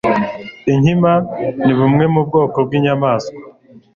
Inkima ni bumwe mu bwoko bw'inyamaswa